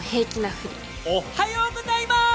おっはようございます！